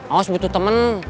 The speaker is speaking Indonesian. aus butuh temen